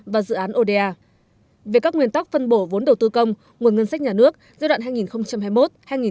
về các nguyên tắc phân bổ vốn đầu tư công nguồn ngân sách nhà nước giai đoạn hai nghìn hai mươi một hai nghìn hai mươi năm